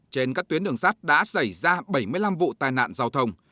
trên các tuyến đường sắt đã xảy ra bảy mươi năm vụ tai nạn giao thông